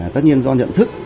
tất nhiên do nhận thức